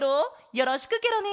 よろしくケロね！